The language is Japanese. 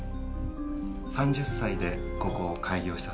３０歳でここを開業したそうですよ。